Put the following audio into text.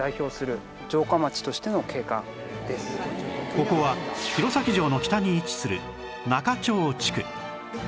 ここは弘前城の北に位置する仲町地区